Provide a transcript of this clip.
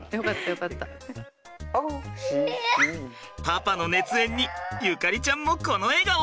パパの熱演に縁ちゃんもこの笑顔。